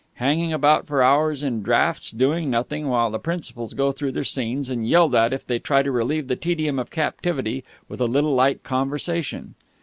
Hanging about for hours in draughts, doing nothing, while the principals go through their scenes, and yelled at if they try to relieve the tedium of captivity with a little light conversation...."